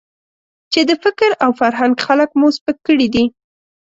چې د فکر او فرهنګ خلک مو سپک کړي دي.